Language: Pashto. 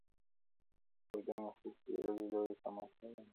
بېګا مي خوب کي لیدل لویه تماشه یمه زه,